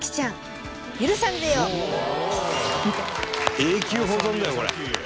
永久保存だよこれ。